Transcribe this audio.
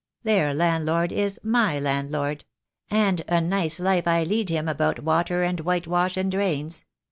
Their landlord is my landlord; and a nice life I lead him about water, and whitewash, and drains.